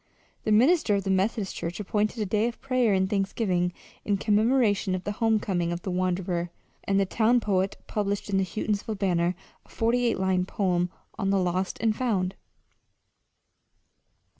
The minister of the Methodist church appointed a day of prayer and thanksgiving in commemoration of the homecoming of the wanderer; and the town poet published in the Houghtonsville Banner a forty eight line poem on "The Lost and Found."